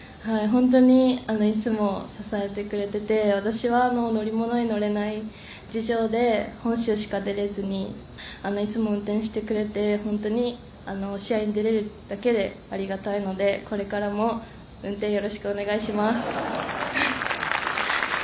本当にいつも支えてくれてて私は乗り物に乗れない事情で本州しか出れずにいつも運転してくれて本当に試合に出れるだけでありがたいのでこれからも運転よろしくお願いします。